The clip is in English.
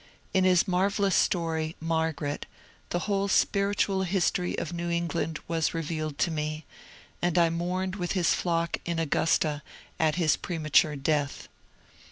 In his marvellous story ^^ Mar garet" the whole spiritual history of New England was revealed to me, and I mourned witii his flock in Augusta at his premature death.